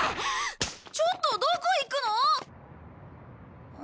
ちょっとどこ行くの？